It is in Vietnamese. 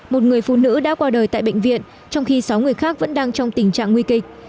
một người phụ nữ đã qua đời tại bệnh viện trong khi sáu người khác vẫn đang trong tình trạng nguy kịch